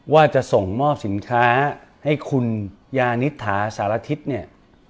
ว่าจะส่งมอบสินค้าให้คุณยานิษฐาสารทิศเนี่ย